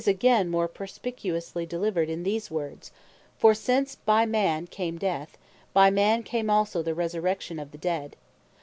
21,22) more perspicuously delivered in these words, "For since by man came death, by man came also the resurrection of the dead.